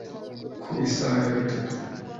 ku isaha ya gatatu